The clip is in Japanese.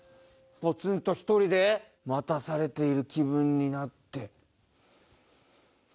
ぽつんと一人で待たされている気分になって。